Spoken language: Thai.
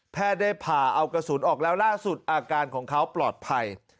ได้ผ่าเอากระสุนออกแล้วล่าสุดอาการของเขาปลอดภัย